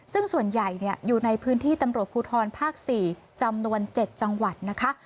ซึ่งส่วนใหญ่อยู่ในพื้นที่ตำรวจภูทรภาค๔จำนวน๗จังหวัดนะคะ